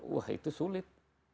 wah itu sulit